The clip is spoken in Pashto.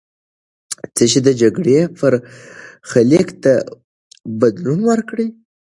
څه شی د جګړې برخلیک ته بدلون ورکړ؟